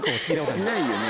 しないよね。